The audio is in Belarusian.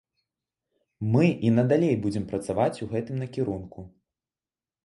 Мы і надалей будзем працаваць у гэтым накірунку.